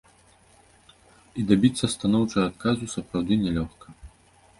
І дабіцца станоўчага адказу сапраўды нялёгка.